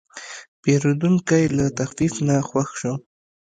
پیرودونکی له تخفیف نه خوښ شو.